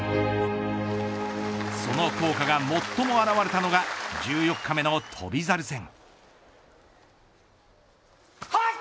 その効果が最も現れたのが１４日目の翔猿戦。